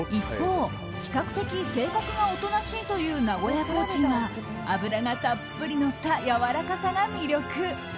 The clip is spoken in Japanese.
一方、比較的性格が大人しいという名古屋コーチンは脂がたっぷりのったやわらかさが魅力。